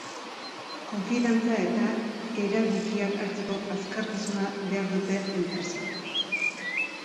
Konfidantza eta erabikiak hartzeko askartasuna behar dute enprese.